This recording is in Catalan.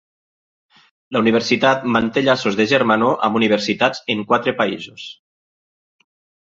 La universitat manté llaços de germanor amb universitats en quatre països.